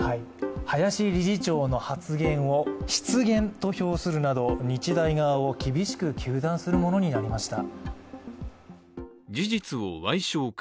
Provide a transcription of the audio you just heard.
林理事長の発言を失言と評するなど日大側を厳しく糾弾するものになりました。